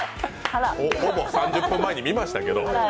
ほぼ３０分前に見ましたけど。